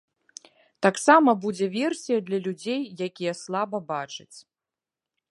Таксама будзе версія для людзей, якія слаба бачаць.